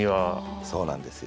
そうなんですよ。